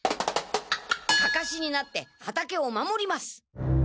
かかしになって畑を守ります！